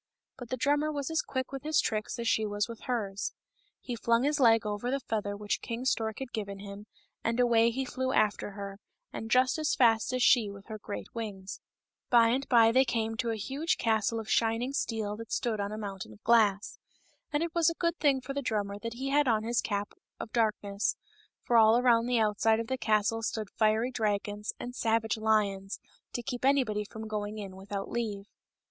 But the drummer was as quick with his tricks as she was with hers ; he flung his leg over the feather which King Stork had given him, and away he flew after her, and just as fast as she with her great wings. from% Cajftte at ttodtK oidocbatnijAt 298 KING STORK. By and by they came to a huge castle of shining steel that stood on a mountain of glass. And it was a good thing for the drummer that he had on his cap of darkness, for all around outside of the castle stood fiery dragons and savage lions to keep anybody from going in without leave.